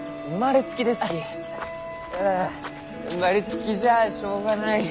あ生まれつきじゃあしょうがない。